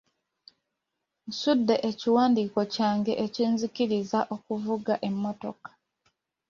Nsudde ekiwandiiko kyange ekinzikiriza okuvuga emmotoka.